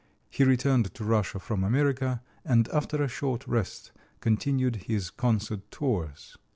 He returned to Russia from America, and after a short rest continued his concert tours.